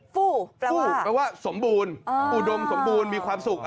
ภู่เรียกว่าสมบูรณ์อุดมสมบูรณ์มีความสุขตรงนี้